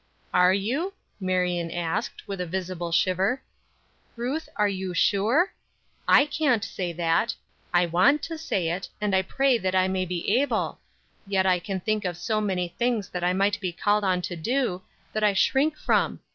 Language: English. "Are you?" Marion asked, with a visible shiver. "Ruth, are you sure? I can't say that; I want to say it, and I pray that I may be able; yet I can think of so many things that I might be called on to do that I shrink from.